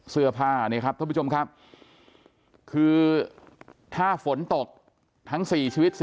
เสื้อผ้านี่ครับท่านผู้ชมครับคือถ้าฝนตกทั้ง๔ชีวิต